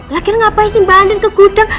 lagian ngapain sih bandin ke gudang